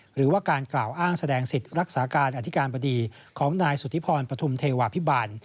หรือว่าการกล่าวอ้างแสดงสิทธิ์รักษาการอธิการบดีของนายสุธิพรปฐุมเทวาพิบัน